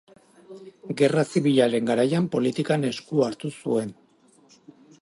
Gerra Zibilaren garaian politikan esku hartu zuen.